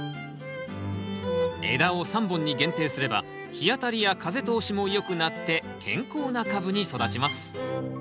枝を３本に限定すれば日当たりや風通しもよくなって健康な株に育ちます。